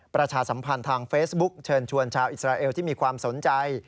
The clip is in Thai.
ประชาสัมพันธ์ทางเฟซบุ๊กเชิญชวนชาวอิสราเอลที่มีความสนใจ